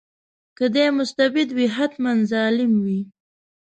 که دی مستبد وي حتماً ظالم وي.